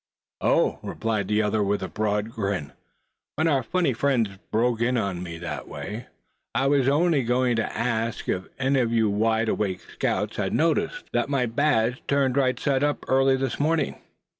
"Oh!" replied the other, with a broad grin, "when our funny friends broke in on me that way, I was only going to ask if any of you wide awake scouts had noticed that I had my badge turned right side up, early this morning?"